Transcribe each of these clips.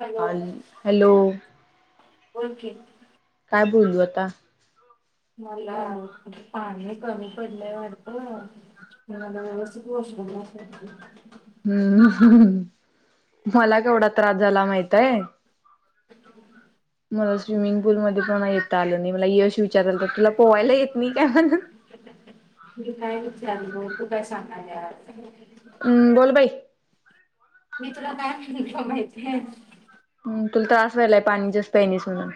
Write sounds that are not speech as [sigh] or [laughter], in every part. Hello hello! बोलकी! काय बोलू आता? मला पाणी कमी पडलंय वाटत म मला व्यवस्थित वॉशरूमला जायचं. हम्म मला केवढा त्रास झाला माहितय? मला स्विमिंग पूलमध्ये कोणा येता आलं नाही, मला यश विचाराल तर तुला पोवायला येत नाही काय म्हणून. मी काय विचारलं तू काय सांगायलीयास? हम्म बोल बाई! मी तुला काय म्हणलं माहितीय? हम तुला त्रास व्हायलाय पाणी जास्त पियालीस म्हणून.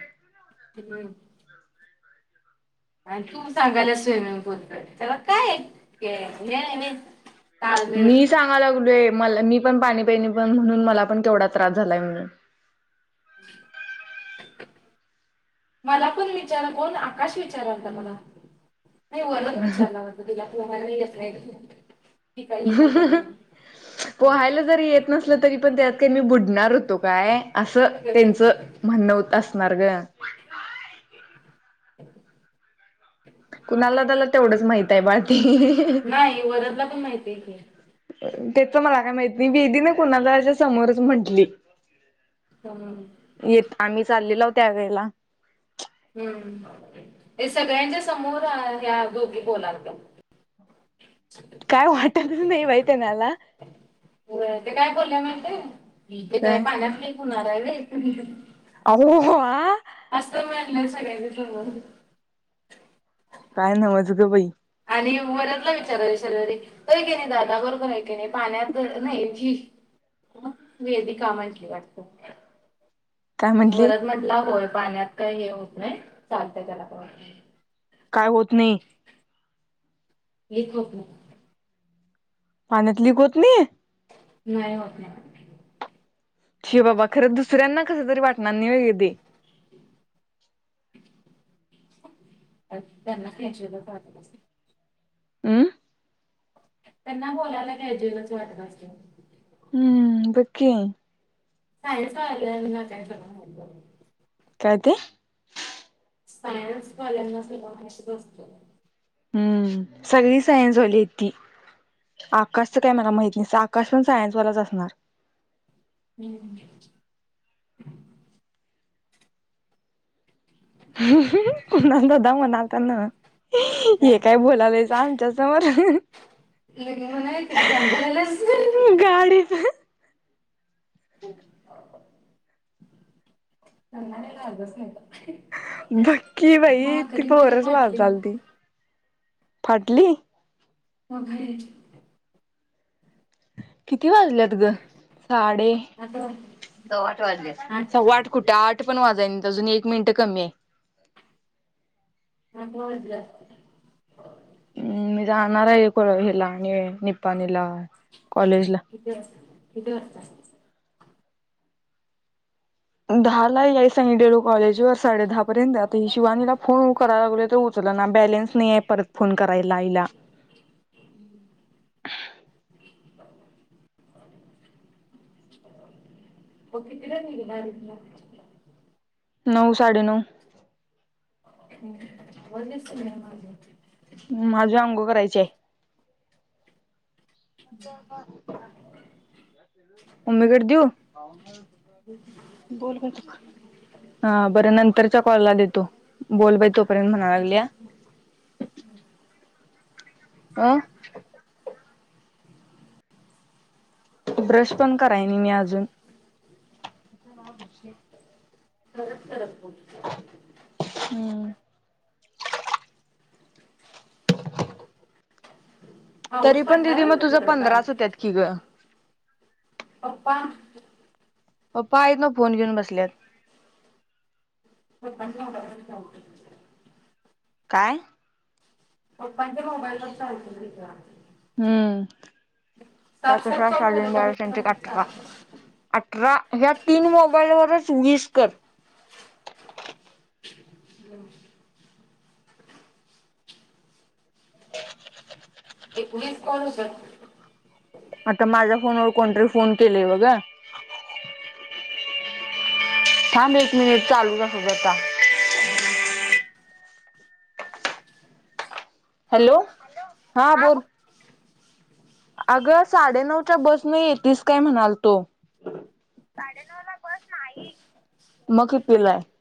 हम आणि तूप सांगायला स्विमिंग पूलकडे त्याला काय ताळमेळ मी सांगालागलोय मला मी पण पाणी पिली नाय म्हणून मला पण तेवढा त्रास झालाय म्हणून. [inaudible] मला कोण विचारा कोण आकाश विचारालता मला. नाही वरून विचारला होत तुला पोहायला येत का म्हणून. पोहायला जरी येत नसल तरी पण त्यात मी बु डणार होतो काय असं त्यांच म्हणणंत असणार ग! [inaudible] कुणाला त्याला तेवढंच माहित आहे बा [inaudible] नाही वरदला पण माहिती आहे की तेच मला काय माहती नाही, बेबी न कुणालाच्या समोरच म्हंटली. हम्म. येत आम्ही चाललेल्या हवं त्या वेळेला. हम्म, हे सगळ्यांच्या समोर ह्या दोघी बोलाल त्या! काय वाटतच नाही बाई त्यांनाला इठीके काय पाण्यातक होणार आहे र अवा सगळ्यांनी बरोर काय नमज ग पई आणि वर्यातला विचारावी शरीरी क नाही दादा बरोबर आहे क नाही पाण्यात नाही जी ह वीधी का माितली वाटते काय म्हंटली वरच म्हटलं होय पाण्यात काय हे होत नाही. चालत त्याला पण काय? होत नाही. लिखक पाण्यात लिक होत नये? नाही होत नाही. शि बाबा खरं दुसऱ्यांना कस तरी वाटणार नाही. व ग ते त्यांना ख्याचेलं अमं त्यांना बोलायला कॅज्युअल वाटत असत. हम्म बकी सायन्स वाल्यांनी काय करावे म्हणते काय ते सायन्स वाल्यांना सगळं माहितीच असतं. हम्म सगळी सायन्स वाली की आकाशच काय मला माहित नाहीस. आकाश पण सायन्सवालाच असणार! ह कुणाल दादा म्हणल त्यांन. हे काय बोलालंयच आमच्या समोर ल म्हणा तिती ग बलाच गाडीच ख हा हा नन मला आझ स्नेहित बाकीकी बाई ती माझी पोरच ला फाटली झालती. फाटली वघर किती वाजल्यात ग? साडे आता सव्वा आठ वाजले. ती सव्वा आठ कुठं आठ पण वाजाय अजून एक मिनट कमी हय. ह ब जास्त हम्म मी जाणार आहे. हहय ला निपाणीला कॉलेजला किती वात कितीे वात दहा ला याई सांगितलं. कॉलेज वर साडे दहा पर्यंत आता शिवानीला फोन करायला लागलो. उचल माझा ना बॅलेन्स नाहीय. परत फोन करायला. आईला ह [unintelligible] होकितिरा न मला नऊ साडे नऊ ह् वच माझ माझ्या आंघोळ करायचेय. [unintelligible] मम्मी कडे देऊ बोल हा बरं नंतरच्या कॉलला देतो. बोल बाई तोपर्यंत म्हणायला. हम् आह ब्रश पण करायनी मी अजून तरच सरल कोबीची भाजी हम् पाऊस तरी पण पडला दिदी म पाहिजे तुझं तिकडं काल पंधराच होतत. कि ग पप्पा पप्पा आहेत. ना फोन घेऊन बसल्यात पंधरा हजारच काउंट केले. काय पप्पांच्या मोबाईलवर चालतील तिथ सात सात हम्म कॉल झाले तरी शजनबाळ यांच्या पण अठरा चालतं. अठरा ह्या तीन मोबा [inaudible] लवर चस्कर हॅलो ह पुलीस कोण हो कर आता माझ्या फोनवर कोणतरी फोन केले बघा थांब एक मिनिट चालू का सोबता होम हॅलो हा बोल अगं साडे नऊच्या बस नाही येेतस काय म्हणाल तो साडे नऊ ला बस नाही मग कि पलायिती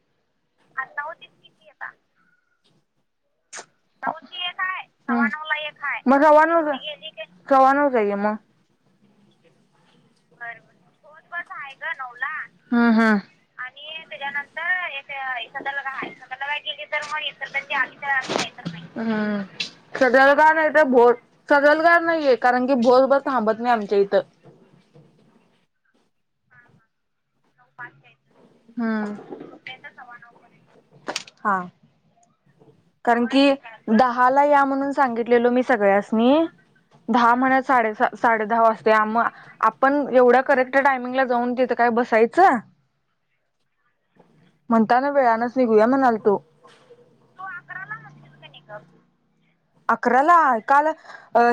जाऊची आहे काय सव्वा नऊला एक आहे ब बर हो बस आहे नवला आणि सदला राहा सदला का गेली तर म्हण तर त्यांची आ नाही सजलगार नाही तर भो सजरलगार नाहीये कारण की भोर बर थांबत नाही आमच्या इथं ह मम हा कारण की दहाला या म्हणून सांगितलेलो मी सगळ्यासनी द म्हण साडे दहा वाजतेग आपण एवढा करेक्ट टायमिंगला जाऊन देत का काय बसायचं म्हणता ना वेळानच निघूया म्हणाल तो तो अकरा ला आणत का नाही का अकराला काल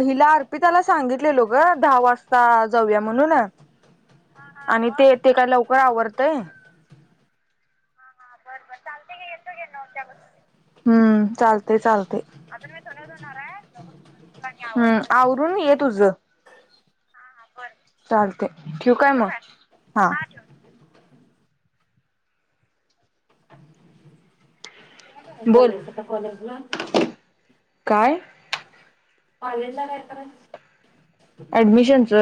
हिला अर्पिताला सांगितलेलो ग दहा वाजता जाऊया म्हणू ना ह आणि ते ते काय लवकर आवरतय बर बर चालतय की येतोकि नऊच्याबसनी हम्म चालतंय चालतंय हम् आवरून ये तुझ चालते ठेव काय मग हा बोल यच का कॉलेज ला काय कॉलेजला कायत ऍडमिशनच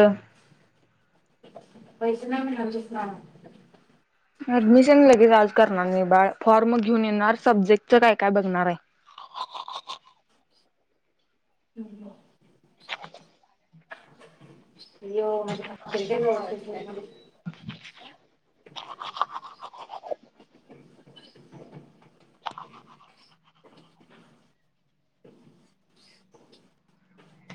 पैस ना मस ना ऍडमिशन लगेच आज करणार नाही बाळ फॉर्म घेऊन येणार सब्जेक्टच काय काय बघणार आहे ये माझ्या भाकरी काय व्यवस्थित...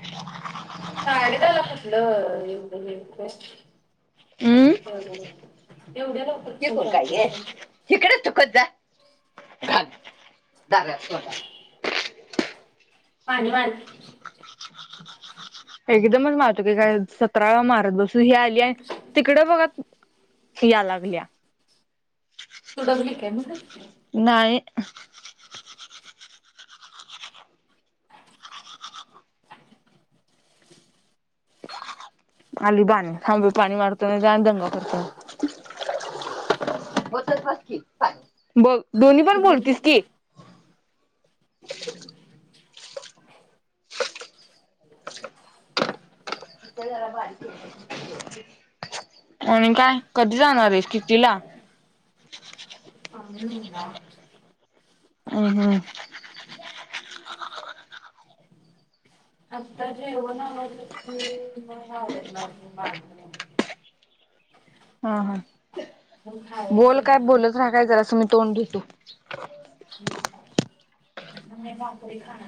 ह साडेदहाला कुठलं [unintelligible] हम एवढ्या लवकर छत बादलायदातायसा झाले जाट पाणी एकदमच माहत की काय सतरा मारत बसून ही आली आणि तिकडे बघा. ही या लागल्या.... तडा भ का आहे नाहीय [unintelligible] अली बानू थांब पाणी मारतो नही तर आणि दंगा करतन बास की पाच बग दोनी पण बोलतीस की इथं जरा बरकी आहे. आणि काय कधी जाणार आहेस कितीला.... आमन्या नव्हता हम हम आता जेवण आवरलं की मग आवरणार मागणं हा हा मग बोल खायची काय बोलच राहा काय जरा तुम्ही तोंड धुतो आता मी भाकरी खाणार...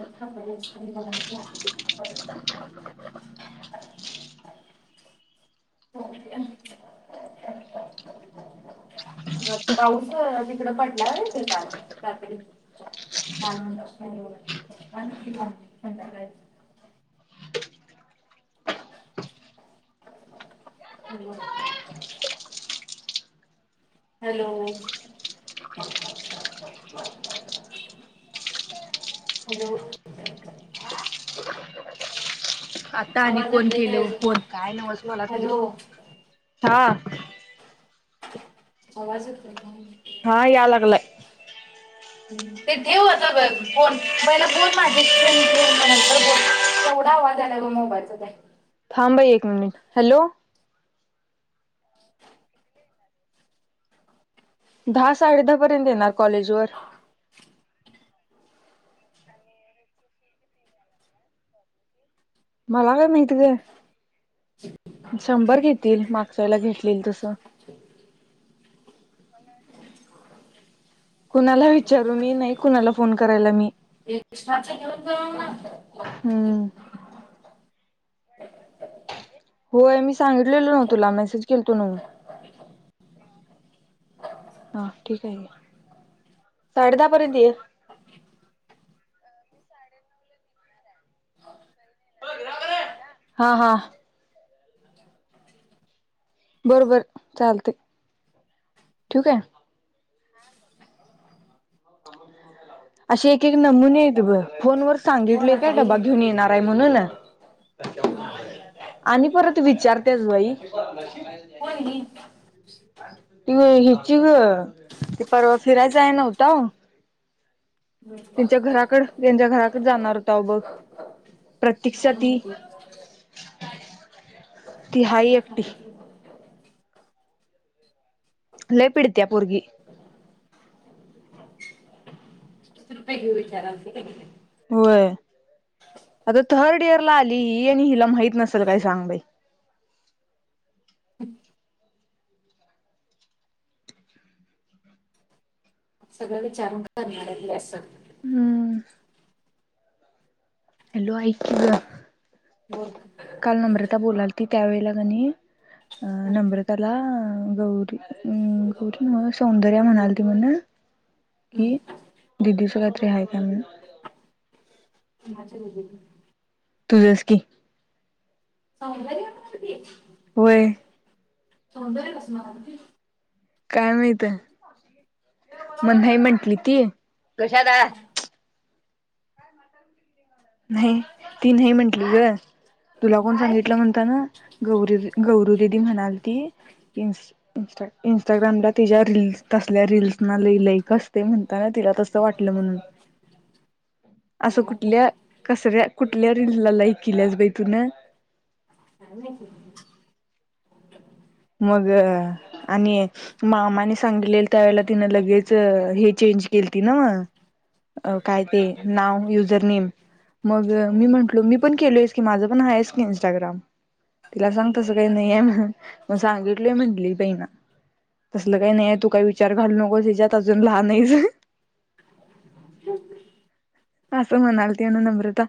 हचछ स्त पोगदी आली पाऊस तिकड पडलाय व्हय तिकडं काल रात्री आनंद असतोय कालच की मग संध्याकाळी ह मग हॅलो हॅलो आता आणि आवाज कोण येतोय केलं काय बग फोन काय नव्हच मला तरी हॅलो हा आवाज येतोय का.. हा या लागलाय ते ठेऊ आता फोन पहिला बोल माझ्याशी ठेऊ मग नंतर बोल एवढा आवाज आलाय बघ मोबाईलचा त्या.. थांब एक मिनिट हॅलो दहा साडे दहा पर्यंत येणार कॉलेज वर... मला काय माहित ग शंभर घेतील मागच्या वेळेला देतील तसं [unintelligible] कुणाला विचारू मी नाही कुणाला फोन करायला मी... एस्ट्राच घेऊन जा मग... हम्म होय मी सांगितलेलो नव तुला मेसेज केल तो नव... हा ठीक आहे साडे दहा पर्यंत ये हा हा बर बर चालतंय ठेवू काय. असे एक एक नमुने येत बग फोनवर.. हो ना सांगितलोय काय डबा ताई घेऊन येणार आहे म्हणून आणि परत विचारत्याच बई कोण ही ती ग हिची ग ती परवा फिराय जायाय नव्हताव त्यांच्या घराकड त्यांच्या घराकड जाणार होताव बघ प्रतिक्षा मॅडम ती होती ती हाय एकटी लय पिडत्या पोरगी विचारालती कने होय आता थर्ड इयर ला आली ही आणि हिला माहित नसल काय सांग ब हम् सगळं विचारून करणार आहे असं हम्म हॅलो ऐक की गं बोल काल नम्रता बोलालती त्यावेळेला की नई अं नम्रताला अं गौरी म्म गौरी [unintelligible] सौंदरय म्हणालती म्हणं हं. की दीदी चं कायतर हाय काय म्हणून माझ ब [unintelligible] तुझंच की सौंदर्य म्हणते. वय सौंदर्य कसं म्हणते? काय माहित-मग नाही म्हंटली ती कशात काय नाही ती नाही म्हटली गं तुला कोण सांगितलं म्हणता ना गौ-गौरू दिदी म्हणालती इंस्-इंस्टा-इंस्टाग्रामला तिच्या रिल्स-तसल्या रिल्सना लय लाईक असतंय म्हणताना तिला तसं वाटलं म्हणून [unintelligible] -असं ते? कुठल्या कसल्या-कुठल्या रिल्स ला लाईक किल्यास बाई तु न का नाही [unintelligible] मग अं आणि मामाने सांगितलेलं त्यावेळेला तिनं लगेच हेचे [unintelligible] केल्ती नव अं काय ते नाव युजर नेम मग अं मी हं. म्हंटलो मी पण केलोय चं की माझं पण आहे आहेस की इंस्टाग्राम तिला सांग हं. तसं काही नाहीय म्हणून सांगितलय म्हंटली बइना तसल काही नाही तू काही विचार घालू नको हच्यात अजून लहान आहेच हो [inaudible] असस म्हणालती न नम्रता